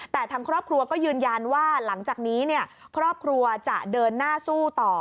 แต่ทางครอบครัวก็ยืนยันว่าหลังจากนี้ครอบครัวจะเดินหน้าสู้ต่อ